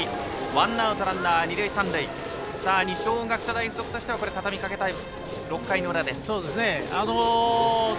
ワンアウトランナー、二塁三塁二松学舎大付属としてはたたみ掛けたい６回の裏です。